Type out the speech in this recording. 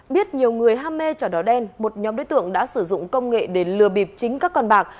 biết nhiều người ham mê trò đỏ đen một nhóm đối tượng đã sử dụng công nghệ để lừa bịp chính các con bạc